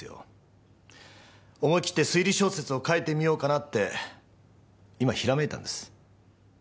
思い切って推理小説を書いてみようかなって今ひらめいたんです。